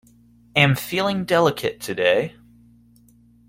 Am feeling delicate today.